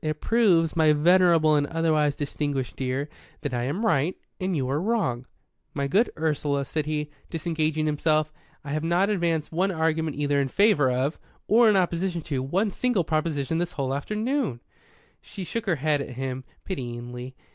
"It proves, my venerable and otherwise distinguished dear, that I am right and you are wrong." "My good Ursula," said he, disengaging himself, "I have not advanced one argument either in favour of, or in opposition to, one single proposition the whole of this afternoon." She shook her head at him pityingly.